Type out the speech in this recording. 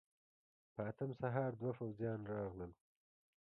په اتم سهار دوه پوځيان راغلل.